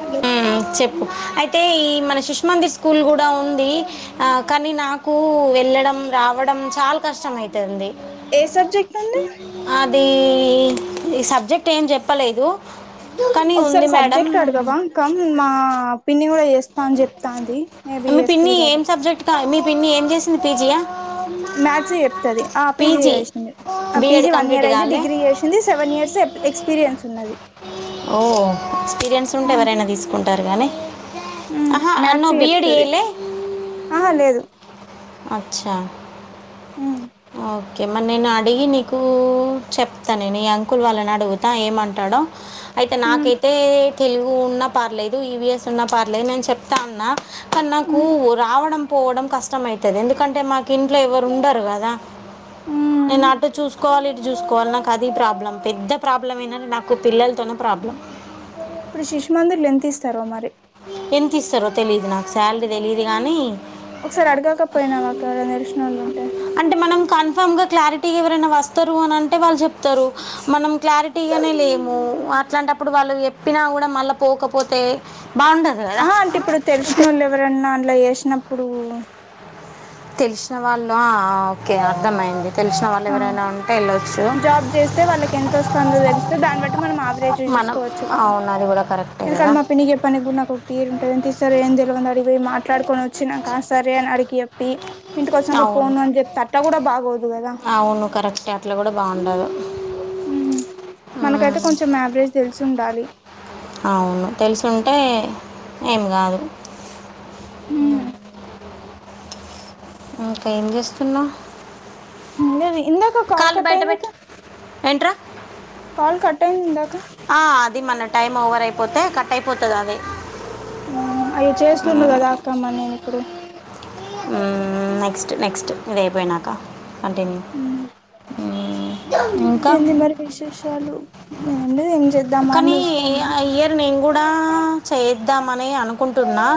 Hello చెప్పు అయితే ఈ మన శిష్ మందిర్ స్కూల్ కూడా ఉంది కానీ నాకు వెళ్ళడం రావడం చాలా కష్టమయితది ఏ సబ్జెక్ట్ అండి అది ఈ సబ్జెక్ట్ ఏం చెప్పలేదు కానీ ఉంది ఒకసారి మేడం సబ్జెక్ట్ అడగవా మా పిన్ని కూడా చెస్తా అని చెప్తాంది మేబి మీ పిన్ని వస్తుంది కదా ఏం సబ్జెక్ట్ కా మీ పిన్ని ఏం చేసింది పీజియా మ్యాథ్స్ చెప్తుంది ఆ పీజీ చేసింది ఆ BEd PG one complete year అయింది కాలే డిగ్రీ చేసింది సెవెన్ ఇయర్స్ ఎక్స్పీరియన్స్ ఉన్నది ఓ ఎక్స్పీరియన్స్ ఉంటే ఎవరైనా తీసుకుంటారు కానీ ఉమ్ అహ అన్న మ్యాథ్స్ బీయేడ్ చెప్తది చేయలే ఆహా లేదు అచ్చా ఉమ్ ఓకే మరి నేను అడిగి నీకు చెప్తా నేను ఈ అంకుల్ వాళ్ళని అడుగుతాను ఏమంటాడో అయితే ఉమ్ నాకైతే తెలుగు ఉన్నా పర్లేేదు ఈవిఎస్ ఉన్నా పర్లేదు నేను చెప్తా అన్నా కానీ నాకు ఉమ్ రావడం పో వడం కష్టంమైతది ఎందుకంటే మాకు ఇంట్లో ఎవరు ఉండరు కదా ఉమ్ నేను అటు చూసుకోవాలి నాకు అది ప్రాబ్లం పెద్ద ప్రాబ్లం ఏంటంటే నాకు పిల్లలతోనే ప్రాబ్లం ఇప్పుడు శిశుమందిర్ లో ఎంత ఇస్తారో మరి ఎంత ఇస్తారో తెలియదు నాకు శాలరీ తెలియదు కానీ ఒకసారి అడగాకపోయినావా అక్క ఎవరైనా తెలిసిన వాళ్ళుంటే అంటే మనం కన్ఫామ్ గా క్లారిటీ ఎవరైనా వస్తారు అని అంటే వాళ్ళు చెప్తారు మనం క్లారిటీగా లేము అట్లాంటప్పుడు వాళ్ళు చెప్పినా కూడా మళ్ళా పోకపోతే బాగుండదు కదా ఆ అంటే ఇప్పుడు తెలిసిన వాళ్ళు ఎవరన్నా అన్లా చేసినప్పుడు తెలిసిన వాళ్ళు ఆ ఓకే అర్థమయింది తెలిసిన వాళ్ళు ఆ ఎవరైనా ఉంటే వెళ్ళొచ్చు తొందర తెరిస్త దాన్ని బట్టి మనం ఆవరేజ్ మనం చూసుకోవచ్చు కదా అవును అది కూడా కరెక్టే ఎందుకంటే కదా మా పిన్ని చెప్పడానికి కూడా ఒక తీరు ఉంటది ఎంతిస్తారో మాట్లాడుకొని వచ్చినంకా సరే అని అడిగి చెప్పి ఇంటికోచ్చినంక అవును పోను అని చెప్పి అట్టా కూడా బాగోదు కదా కరెక్ట్ అట్లు కూడా బాగుండదు మ్మ్ ఉమ్, మనకైతే కొంచెం ఆవరేజ్ తెలిసి ఉండాలి అవును తెలుసుంటే ఏం కాదు హుమ్ ఇంకా ఏం చేస్తున్నావు ఉండది ఇందాక కాల్ కాళ్ళు బయట కట్టాయిందాకా పెట్టు ఏంట్రా కాల్ కట్ అయింది ఇందాక ఆ అది మన టైమ్ ఓవర్ అయిపోతే కట్ అయిపోతది అది అవి చేస్తుండూ కదా అక్క మరి నేను ఇప్పుడు నెక్స్ట్ నెక్స్ట్ ఇదయిపోయినాకా అంటే ఉమ్ ఇంకా ఏంటిది కానీ ఇయ్యరు నేను కూడా చేద్దామని అనుకుంటున్నా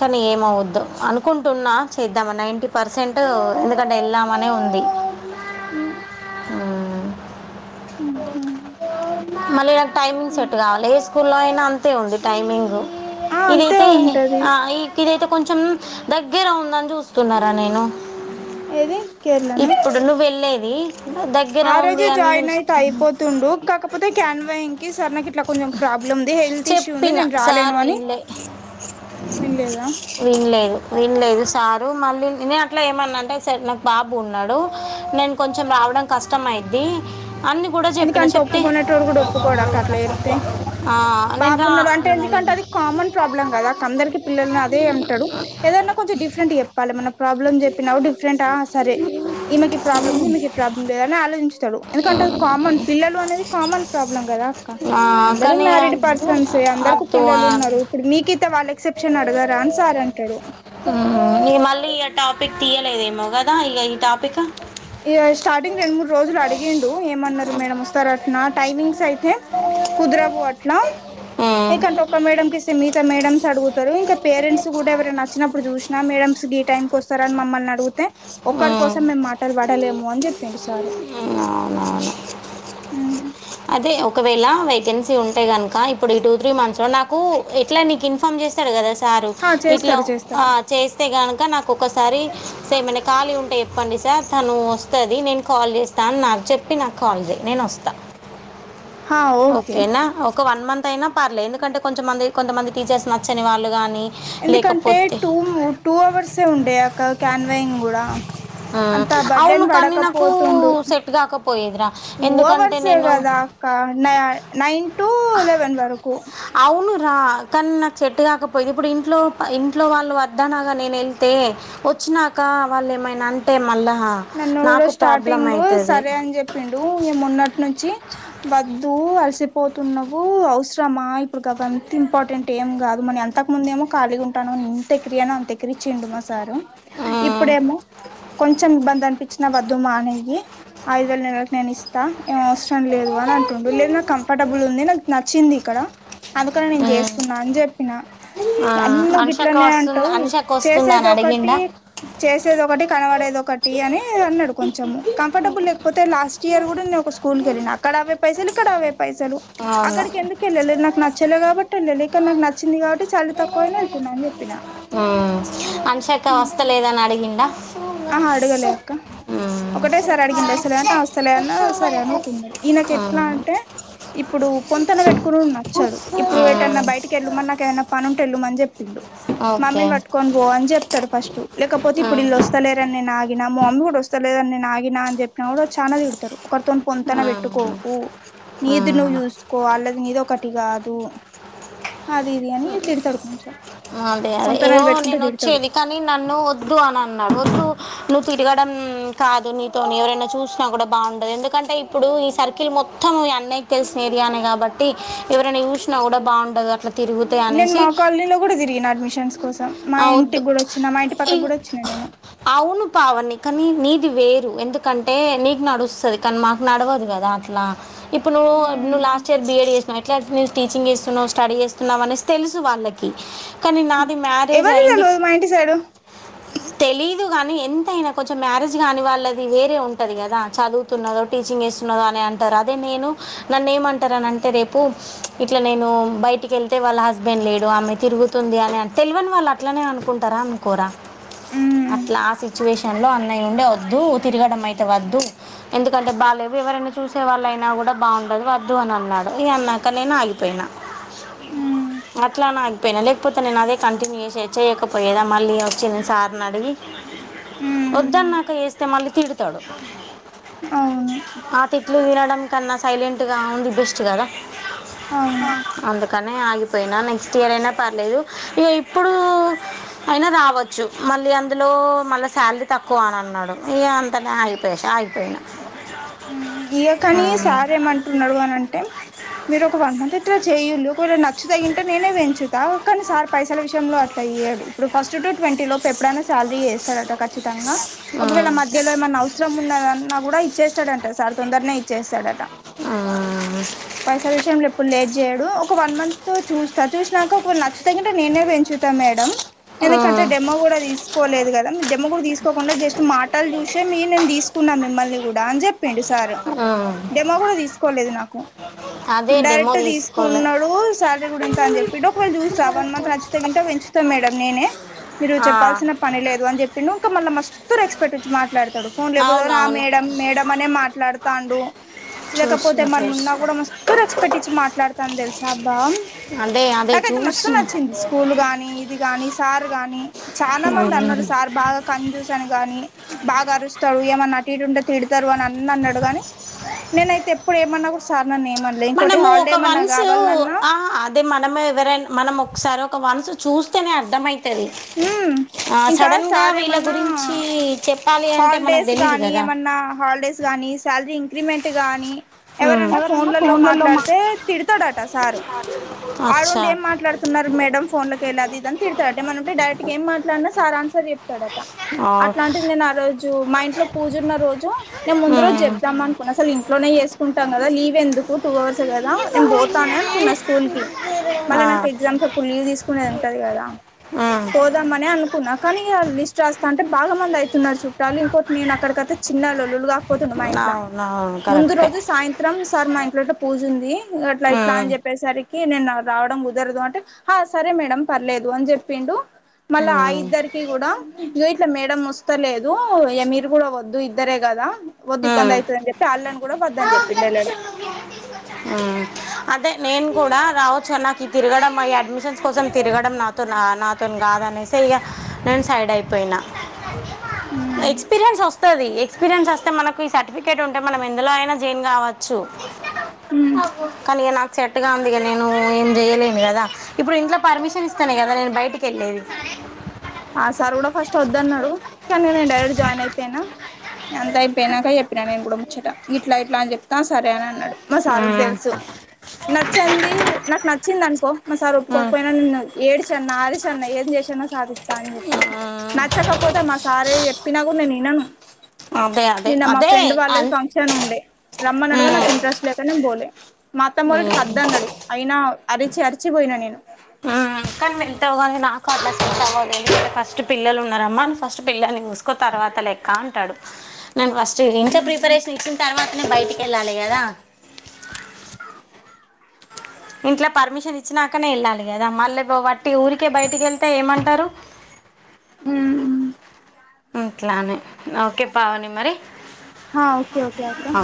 కానీ ఏమవద్దు అనుకుంటున్నా చేద్దామా నైన్టీ పర్సెంట్ ఎందుకంటే వెల్దామనే ఉంది హు మ్మ్. ఆహా మళ్ళీ నాకు టైమింగ్ సెట్ కావాలి ఏ స్కూల్లో అయినా అంతే ఉంది టైమింగ్. ఆ అంతే ఇదయితే ఉంటది ఆ ఇదయితే కొంచెం దగ్గర ఉందని చూస్తున్నరా నేను. ఏది కేరళనా ఇప్పుడు నువ్వు వెళ్ళేది దగ్గర ఉంది అని చూస్తున్న. డోక్ కాకపోతే క్యాన్వఇంగ్ కి సరేనా ఇట్లా కొంచెం ప్రాబ్లమ్ ఉంది, హెల్త్ ఇష్యూ ఉంది చెప్పిన నేను సార్ రాలేను అని. వినలే వినలేదా వినలేదు వినలేదు. సారు మళ్ళీ నేను అట్లా ఏమన్నా అంటే నాకు బాబు ఉన్నడు, నేను కొంచెం రావడం కష్టం అయిద్దీ అని కూడా చెప్పిన ఎందుకంటే చెప్తే ఒప్పుకునేటోడు కూడా ఆ నేను బాబు రా ఉన్నడు అంటే అన్నాను. ఎందుకంటే అది కామన్ ప్రాబ్లం కదా. అందరికి పిల్లలున్నరు అదే అంటడు ఏదన్నా కొంచెం డిఫ్ రెంట్ చెప్పాలె మనం. ప్రాబ్లమ్ చెప్పినా కూడా డిఫరెంటా ఆ సరే ఈమెకి ప్రాబ్లం ఉంది ఈమెకి ఈ ప్రాబ్లం లేదని ఆలోచించు తడు ఎందుకంటే పిల్లలు అనేది కామన్ ప్రాబ్లం కదా అక్క. "ఆ, అందరూ కానీ మ్యారీడ్ అద్దు పర్సన్సే అందరుకు అద్దు పిల్లలు అన్నాను. ఉన్నరు. ఇప్పుడు మీకిత్తే వాళ్ళు రిసెప్షన్ల అడగారా అని సార్ అంటరు. ఇగ మళ్ళీ ఇగ టాపిక్ తీయలేదేమో కదా ఇగ ఈ టాపిక్. ఇగ స్టార్టింగ్ రెండు మూడు రోజులు అడిగిండు, ఏమన్నరు మేడం వస్తారటనా టైమింగ్స్ అయితే కుదరవు అట్లా ఉమ్, ఉమ్, ఎకంటే ఒక్క మేడమ్ కి ఇస్తే మిగితా మేడమ్స్ అడుగుతరు. ఇంకా పేరెంట్స్ కూడా ఎవరన్నా అచ్చినప్పుడు చూశి నా మేడమ్స్ గి టైమ్కి వస్తరా అని మమ్మల్ని అడిగితే ఒకరి కోసం ఉమ్, మేం మాట పడలేము అని చెప్పిండు సారు. అవునవును అదే ఒకవేళ వేకెన్సీ ఉంటే గనుక ఇప్పుడు ఈ టూ త్రీ మంత్స్ లో నాకు ఎట్లా నీకు ఇన్ఫార్మ్ చేస్తడుగదా సారు హా ఇట్లా చేస్తాడు ఆ చేస్తాడు చేస్తే గనుక నాకు ఒకసారి సేమన్నా ఖాళీ ఉంటే చే ప్పండి సార్ తను వస్తది నేను కాల్ చేస్తా అని చెప్పి నాకు కాల్ చేయి నేను వస్తా. హా ఓకే ఓకేనా ఒక వన్ మంత్ అయినా పర్లేదు. ఎందుకంటే కొంచంమంది కొంతమంది టీచర్స్ నచ్చని వాళ్ళు గాని ఎందుకంటే టూ టూ అవర్సే ఉండే అక్క క్యాన్వాయింగ్ కూడా. ఉమ్, అంత అవును బర్డేన్ కానీ నాకు పడకపోతుండు సెట్ కాకపోయేదిరా టూ ఎందుకంటే అవర్సే నేను కదా అక్క. న నైన్ టు లెవెన్ వరకు. అవును రా కానీ నాకు సెట్టు కాకపోయేది. ఇప్పుడు ఇంట్లో ఇంట్లో వాళ్ళు వద్దనంగా నేను ఎళ్తే వచ్చినాక క వాళ్ళు ఏమైనా అంటే మళ్ళా నన్ను కూడా నాకు ప్రాబ్లం స్టార్టింగ్ అవుతది సరే అని చెప్పిండు. ఇగ మొన్నటి నుంచి వద్దు అలి సిపోతున్నవు అవసరమా ఇప్పుడు కాబ అంత ఇంపార్టెంట్ ఏం కాదు మని అంతకు ముందేమో ఖాళీగా ఉం టన్నవు ఎంత ఎక్కిరియన్నో అంత ఎక్కిరిచ్చిండు మా సారు. ఉమ్ ఇప్పుడేమో కొంచెం ఇబ్బం దనిపించిన వద్దు మానేయ్యి. ఆ ఐదు వేలు నెలకి నేను ఇస్తా ఏం అవసరం లేదు అని అంటుండు లేదు నాకు కంఫర్టబుల్ ఉంది, నాకు నచ్చింది ఇక్కడ అందుకని నేను చేస్తున్నా అని చెప్పిన. అన్ని నువ్వు అనుషక్క గిట్లనే వస్తుంద అంటవు అనుషక్క వస్తుందా చేసేది అని ఒకటి అడిగిండా చేసేది ఒకటి కనబడేది ఒకటి అని నీ అన్నడు కొంచెం. కంఫర్టబుల్ లేకపోతే లాస్ట్ ఇయర్ కూడా నేను ఒక్క స్కూల్ కి వెళ్ళిన, అక్కడ అవే పైసలు ఇక్కడ అవే పైస పైసలు అవును అక్కడికి ఎందుకు ఎళ్ళలే నాకు నచ్చేలే కాబట్టి ఎళ్ళలే. ఇక్కడ నాకు నచ్చింది కాబట్టి సాలరీ తక్కువైనా వెళ్తున్నా అని చెప్పిన. ఇంకా వస్తలేదని అడిగిండా. ఆహా అడగలె అక్క ఉమ్ ఒకటే సారి అడిగిండు వస్తలేదా అంటే ఆ వస్తలే అన్నా సరే అని ఊకున్నడు. ఈయనకు ఎట్లా ఉమ్. అంటే ఇప్పుడు పొంతన పెట్టుకునుడు నచ్చదు. ఇప్పుడు ఏటన్నా బయటికి ఎళ్ళు మన్నంకా ఏదన్నా పనుంటె ఎళ్లుమని చెప్పిండు. ఓకే మమ్మీని పట్టుకొని పో అని చెప్తాడు ఫస్ట్ లేకపోతే ఇప్పుడు ఇల్ వస్ స్తరని నేను ఆగిన, మా మమ్మీ కూడా వస్తాలేదని నేను ఆగిన అని చెప్పిన కూడా చానా తిడతరు. ఒకరితోని పొంతన పెట్టుకోకు నీది నువ్వు చూస్ కోఅల్ళదిని ఒకటి కాదు అది ఇది అని తిడితడు కొంచం అదే అదే ఏవొ నేను వచ్చేది కానీ నన్ను వద్దు అని అన్నాడు వద్దు నువ్వు తిరగడం కాదు నీతో ఎవరైనా చూసినా కూడా బాగుండదు ఎందుకంటే ఇప్పుడు ఈ సర్కిల్ మొత్తం మీ అన్నయ్యకి తెలిసిన ఏరియానే కాబట్టి ఎవరిైన చూసినా కూడా బాగుండదు అట్లా తిరుగుతే అనేసి ఇప్పుడే తిరిగిన అడ్మిషన్స్ కోసం మా వద్దు ఇంటికి కూడ వచ్చినా మా ఇంటి పక్కకు కూడా వచ్చినా నేను అవును పావని కానీ నీది వేరు ఎందుకంటే నీకు నడుస్తది కానీ మాకు నడవదు కదా అట్లా ఇప్పుడు నువ్వు నువు లాస్ట్ ఇయర్ బీ ఎడ్ చేసినవు ఎట్లా నువ్వు టీచింగ్ చేస్తున్నావు స్టడి చేస్తున్నావు అనేసి తెలుసు వాళ్ళకి కానీ నాది మ్యరేజ్ ఎవరిని అయింది తెలవదు మా ఇంటి సైడు తెలీదు గాని ఎంతయినా కొంచెం మ్యారేజ్ కాని వాళ్ళది వేరే ఉంటది కదా చదువుతున్నాదో టీచింగ్ టీచింగ్ చేస్తున్నది అని అంటరు అదే నేను నన్ను ఏమని అంటరు అంటే రేపు ఇట్ల నేను బయట బయటికెళ్తే వాళ్ళ హస్బెండ్ లేడు ఆమె తిరుగుతుంది అని తెలివని వాళ్ళ అట్లనే అనుకుంటారా అనుకోరా ఉమ్ అట్లా ఆ సిచ్యువేషన్ లో అన్నయ ఉండి వద్దు తిరగడం అయితే వద్దు ఎందుకంటే బాలేవు ఎవరైనా చూసే వాళ్ళయినా కూడా బాగుండదు వద్దు అని అన్నాడు ఈ అన్నాక నేను ఆగిపోయినా ఉమ్ అట్లా నా పోయినా లేకపోతే నేను అదే కంటిన్యూ చేసి చేయకపోయేదా మళ్ళీ వచ్చి నేను సార్ని అడిగి ఉమ్ వద్దన్నాక చేస్తే మళ్ళీ తిడతడు అవును ఆ తిట్లు వినడం కన్నా సైలెంట్ గా ఉంది బెస్ట్ కదా అవును అందుకని ఆగిపోయినా నెక్స్ట్ ఇయర్ఐనా పర్లేదు ఇక ఇప్పుడు అయినా రావచ్చు మళ్ళీ అందులో మళ్ళ శాలరీ తక్కువ తక్కువ అని అన్నాడు ఈ అంతనే ఆగిపోయాస అగిపోయినా ఇక కాని సార్ ఏమంటున్నడు అనంటే మీరు ఒక వన్ మంత్ ఇట్లా చేయ్యులి ఒకవేళ నచ్చుతే గింటే నేనే పెంచుతా తా కాని సార్ పైసల విషయంలో అట్లా ఇయ్యడు ఇప్పుడు ఫస్ట్ టు ట్వంటీ లోపు ఎప్పుడైనా శాలరీ ఏస్తాడట ఖచ్చితంగా ఒకవేళ మధ్యలో ఏమన్నా అవసరం ఉన్నదని నా కూడా ఇచ్చేస్తాడంట సార్ తొందరనే ఇచ్చేస్తాడట పైసల విషయంలో ఎప్పుడు లేట్ చెయ్యడు ఒక వన్ మంత్ చూస్తా చూసినాక ఒకవేళ నచ్చుతే వెంటనే నేనే పెంచుతా మేడం ఎందుకంటే డెమో కూడా తీసుకోలేదు కదా డెమో కూడా తీసుకోకుండా జస్ట్ మాటలు చూసే మీ నేను తీసుకున్నా మిమల్ని కూడా అని చెప్పిండు సార్ డెమో కూడా తీసుకోలేదు నాకు అదే డెమో డైరెక్ట్ తీసుకోలే తీసుకున్నాడు శాలారీ కూడా ఇంత అని చెప్పిండు ఒకవేళ చూస్తా వన్ మంత్ నచ్చుతే గింట పెంచుతాం మేడం నేనే మీరు ఆ, చెప్పాల్సిన పని లేదు అని చెప్పిండు ఇంక మళ్ళ మస్తు రెస్పెక్టిచ్చి మాట్లాడుతుండు ఇడు ఫోన్ లేపుదనే ఆ అవునవును మేడం మేడం అనే మాట్లాడుతాండు లేకపోతే చూసిన మనున్నా చూసిన కూడా మస్తు రెస్పెక్ట్ ఇచ్చి మాట్లాడతాని తెలుసు బా అదే అదే నాకైతే మస్తు చూసిన నచ్చింది స్కూల్ గానీ ఇది కానీ సార్ గాని చాలా మంది అన్నారు సార్ బాగా కన్ చూస్ అని గాని బాగా అరుస్తాడు ఏమన్నా ంటే తిడతారు అని అ అన్నాడు కాని నేనయితే ఎప్పుడు ఏమన్నా కూడ సార్ న మనము ఒక వన్సు ఆ అదే మనము ఎవరనా మనం ఒకసారి ఒక వనసు చూస్తేనే అర్థమైద్ది హ ఇంకా సార్ వీళ్ళ ఏమన్నా గురించి చెప్పాలి అంటే మనకు హాలిడేస్ తెలియదు గాని కదా ఏమన్నా హాలిడేస్ గాని ఈ శాలరీ ఇంక్రిమెంట్ గానీ ఎవరన్నా ఫోన్లలో మాట్లాడితే తిడతాడట సారు ఆడుండి అచ్చా ఏం మాట్లాడుతున్నారు మేడం ఫోన్ లోకల్లి అది ఇది అని తిడతాడు అంటే డైరెక్ట్గ ఏం మాట్లాడి న సార్ ఆన్సర్ చెప్తాడట ఆ, అట్లాంటి నేను ఆ రోజు మా ఇంట్లో పూజ ఉన్న రోజు నేను ముందు రోజు ఉమ్. చెబుదాం అనుకున్నాను అసలు ఇంట్లోనే వేసుకుంటాం కదా లీవ్ ఎందుకు టూ అవర్స్ కదా నేను పోతానే అనుకున్నా స్కూల్ కి మళ్ళీ ఆ నాకు ఎగ్జామ్స్ అప్పుడు లీవ్ తీసుకునేది ఉంటది కదా ఉమ్ పోదామనే అనే అనుకున్నా కానీ ఇగ లిస్ట్ రాస్ తంటే బాగా మంది అయితున్నారు చుట్టాలు ఇంకోటి నేను అక్కడికైతే చిన్న లల్లుగా పోతుండమ ఇంట్లా అవునవును ముందు కరెక్టే రోజు సాయంత్రం సార్ మా ఇంట్లో పూజ ఉంది అట్లా ఇట్లా ఉమ్ అని చెప్పేసరి కి నేను రావడం కుదరదు అంటే హ సరే మేడం పర్లేదు అన్ చె పిండు మళ్ళా ఆ ఉమ్ ఇద్దరికి కూడా ఇగో ఇట్లా మేడం వస్తలేదు ఇయ మీరు కూడా వద్దు ఇద్దరే కదా వద్దు ఇబ్బంది ఉమ్ ఉమ్ అయితదని చెప్పి ఆళ్ళ న్ని కూడా వద్దని చెప్పిండు వెళ్ళడం అదే నేను కూడా రావచ్చు నాకు తిరగడం ఈ అడ్మిషన్స్ కోసం తిరగడం నాతో నాతోని కాదు అనేసి ఇగ నేను సైడ్ అయిపోయినా ఉమ్ ఎక్స్పీరియన్స్ వస్తది ఎక్స్పీరియన్స్ వస్తే మనకి ఈ సర్టిఫికేట్ ఉంటే మనం ఎందులో అయినా గావచ్చు ఉమ్ కానీ ఇగ నాకు సెట్ కాదు టీగ నేను ఏం చెయలేను కదా ఇప్పుడు ఇంట్లో పర్మిషన్ ఇస్తానే కదా నేను బయటికి వెళ్ళేది ఆ సార్ కూడా ఫస్ట్ వద్దన్నాడు కానీ నేను డైరెక్ట్ జాయిన్ అయిపోయినా అంత అయిపోయినాక చెప్పినా నేను కూడా ముచ్చట ఇట్లా ఇట్లా అని చెప్తా సరే అని అన్నాడు మా సార్కి మ్మ్. తెలుసు నచ్చింది నాకు నచ్చింది అనుకో మా సార్ మ్మ్. ఒప్పుకోకపోయినా నిన్ను ఏడిచన్న ఆరిచన్న ఏం చేసేయినా సాధిస్ తానే చెప్పి మ్మ్. నచ్చకపోతే మా సారే చెప్పినా కూడా నేను వినను అదే అదే నిన్న మా అదే ఫ్రెండ్ వాళ్ళది అన్- ఫంక్షన్ ఉండే రమ్మనడుగా నాకు మ్మ్. ఇంట్రెస్ట్ లేక నేను పోలే మా అత్తమోళింటికి మ్మ్. అద్ద అన్నాడు అయినా అరిచి అరిచిపోయినా నేను మ్మ్. కానీ వెళ్తావు కానీ [unintelligible] ఫస్ట్ పిల్లలు ఉన్నారమ్మ ఫస్ట్ పిల్లని చుస్ సుకో తర్వాత లెక్క అంటాడు నేను ఫస్ట్ ఇంకా ప్రిపరేషన్ ఇచ్చిన తర్వాత నేను బయటికి వెళ్ళాలి కదా ఇంట్లో పర్మిషన్ ఇచ్చినాకనే వెళ్ళాలి కదా మళ్ళీ వట్టి ఊరికే బయటికి వెళ్తే ఏమంటారు అ హ్మ్ హు ఇట్లానే ఓకే పావని మరి ఓకే ఓకే అక్క అ